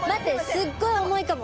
すっごい重いかも！